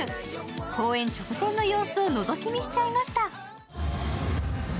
公演直前の様子をのぞき見しちゃいました。